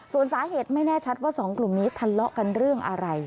ส่วนสาเหตุไม่แน่ชัดว่าสองกลุ่มนี้ทะเลาะกันเรื่องอะไร